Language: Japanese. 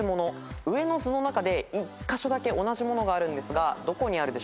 上の図の中で１カ所だけ同じものがあるんですがどこにあるでしょうか？